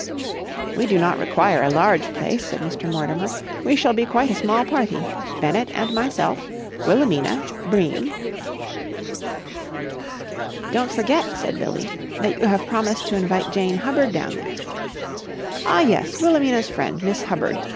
"We do not require a large place," said Mr. Mortimer. "We shall be quite a small party. Bennett and myself, Wilhelmina, Bream...." "Don't forget," said Billie, "that you have promised to invite Jane Hubbard down there." "Ah, yes. Wilhelmina's friend, Miss Hubbard.